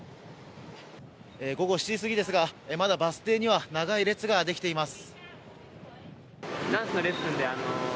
午後７時過ぎですがまだバス停には長い列ができています。